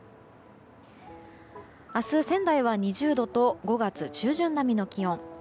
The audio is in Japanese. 明日、仙台は２０度と５月中旬並みの気温。